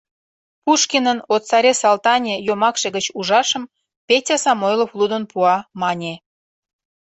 — Пушкинын «О царе Салтане» йомакше гыч ужашым Петя Самойлов лудын пуа, — мане.